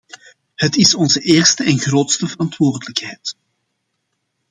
Het is onze eerste en grootste verantwoordelijkheid.